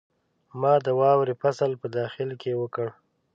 ما د واورې فصل په داخل کې وکړ.